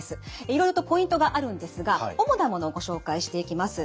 いろいろとポイントがあるんですが主なものをご紹介していきます。